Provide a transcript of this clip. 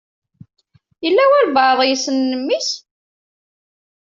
Yella walebɛaḍ i yessnen mmi-s?